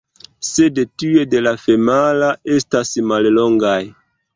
Sed tiuj de la femala estas mallongaj.